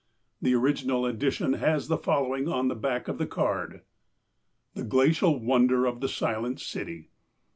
The original edition has the following on the back of the card: " The Glacial Wonder of the Silent City.